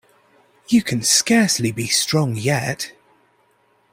You can scarcely be strong yet.